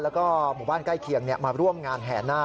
แล้วก็หมู่บ้านใกล้เคียงมาร่วมงานแห่นาค